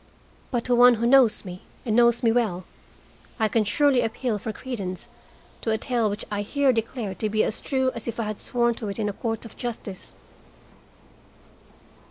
But, to one who knows me, and knows me well, I can surely appeal for credence to a tale which I here declare to be as true as if I had sworn to it in a court of justice."